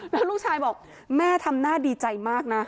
แล้วลูกชายบอกแม่ทำหน้าดีใจมากนะ